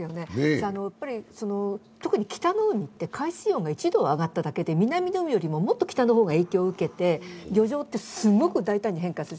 特に北の海って海水温が１度上がっただけで南の海よりも、もっと北の方が影響を受けて、漁場はすごく大胆に変化する。